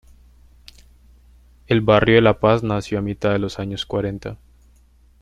El barrio de La Paz nació a mitad de los años cuarenta.